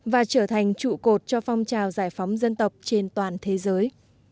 và trở thành trụ cột cho phong trào giải phóng dân tộc trên toàn thế giới